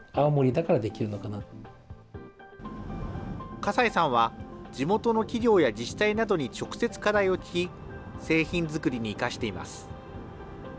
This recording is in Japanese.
葛西さんは、地元の企業や自治体などに直接課題を聞き、製品作りに生かしています。